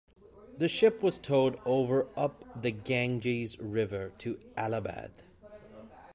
The ship was towed over up the Ganges River to Allahabad.